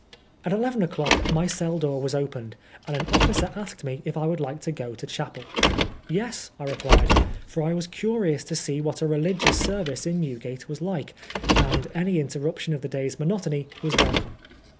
At eleven o'clock my cell door was opened, and an officer asked me if I would like to go to chapel. " Yes,'* I replied, for I was curious to see what a religious ser vice in Newgate was like, and any interruption of the day's monotony was welcome.